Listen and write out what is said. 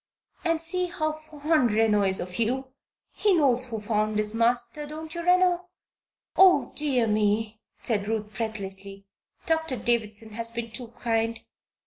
And see how fond Reno is of you! He knows who found his master; don't you, Reno?" "Oh, dear me," said Ruth, breathlessly, "Doctor Davison has been too kind.